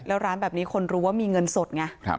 แล้วร้านแบบนี้คนรู้ว่ามีเงินสดไง